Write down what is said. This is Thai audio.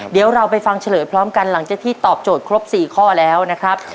เดี๋ยวเราไปฟังเฉลยพร้อมกันหลังจากที่ตอบโจทย์ครบ๔ข้อแล้วนะครับ